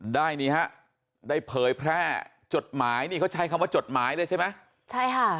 นี่ฮะได้เผยแพร่จดหมายนี่เขาใช้คำว่าจดหมายเลยใช่ไหมใช่ค่ะ